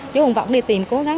chú cũng võng đi tìm được thủ phạm